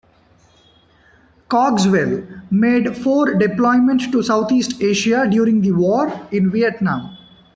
"Cogswell" made four deployments to Southeast Asia during the war in Vietnam.